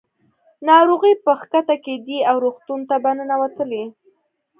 ناروغۍ به ښکته کېدې او روغتون ته به ننوتلې.